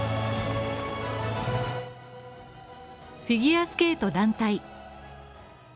フィギュアスケート団体。